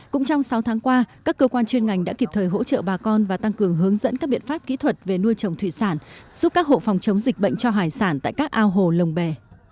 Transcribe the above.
cũng trong sáu tháng qua các cơ quan chuyên ngành đã kịp thời hỗ trợ bà con và tăng cường hướng dẫn các biện pháp kỹ thuật về nuôi trồng thủy sản giúp các hộ phòng chống dịch bệnh cho hải sản tại các ao hồ lồng bè